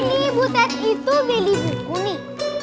ini bu ted itu beli buku nih